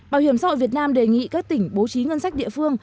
bảo hiểm xã hội việt nam đề nghị các tỉnh bố trí ngân sách địa phương